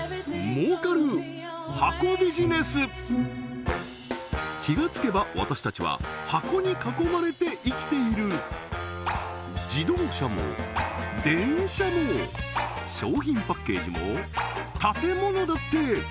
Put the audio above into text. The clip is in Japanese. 儲かる気がつけば私たちは箱に囲まれて生きている自動車も電車も商品パッケージも建物だって！